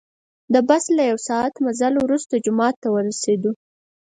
د بس له یو ساعت مزل وروسته جومات ته ورسیدو.